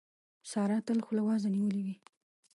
سارا تل خوله وازه نيولې وي.